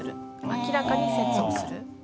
「明らかに説をする」。